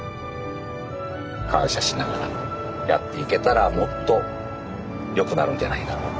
感謝しながらやっていけたらもっとよくなるんじゃないだろうか。